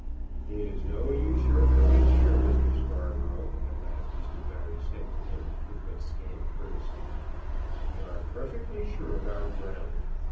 "It is no use your coming here, Mr. Scarborough," at last Mr. Barry said to him with but scant courtesy. "We are perfectly sure of our ground.